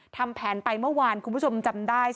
ทำแผนไปเมื่อวานคุณผู้ชมจำได้ใช่มั้ยคะ